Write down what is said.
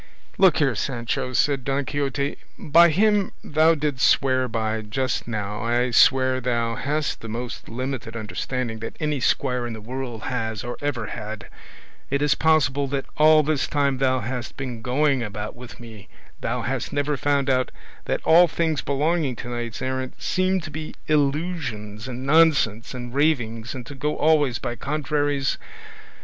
"Look here, Sancho," said Don Quixote, "by him thou didst swear by just now I swear thou hast the most limited understanding that any squire in the world has or ever had. Is it possible that all this time thou hast been going about with me thou hast never found out that all things belonging to knights errant seem to be illusions and nonsense and ravings, and to go always by contraries?